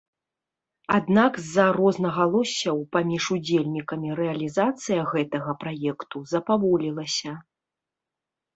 Аднак з-за рознагалоссяў паміж удзельнікамі рэалізацыя гэтага праекту запаволілася.